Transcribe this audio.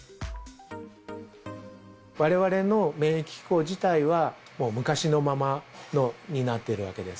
われわれの免疫機構自体は、もう昔のままになってるわけです。